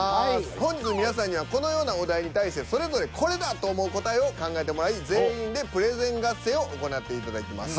本日皆さんにはこのようなお題に対してそれぞれこれだ！と思う答えを考えてもらい全員でプレゼン合戦を行っていただきます。